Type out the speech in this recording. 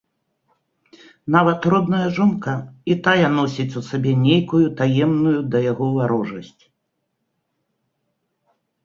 Нават родная жонка і тая носіць у сабе нейкую таемную да яго варожасць.